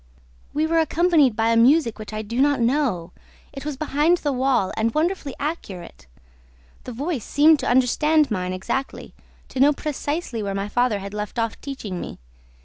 "We were accompanied by a music which I do not know: it was behind the wall and wonderfully accurate. The voice seemed to understand mine exactly, to know precisely where my father had left off teaching me.